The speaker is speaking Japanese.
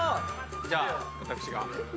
じゃあ私が。